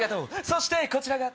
そしてこちらが。